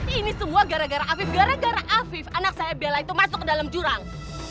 ini semua gara gara afif gara gara afif anak saya bela itu masuk ke dalam jurang